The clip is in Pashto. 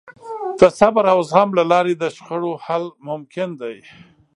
د صبر او زغم له لارې د شخړو حل ممکن دی.